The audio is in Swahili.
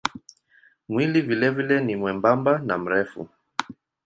Mwili vilevile ni mwembamba na mrefu.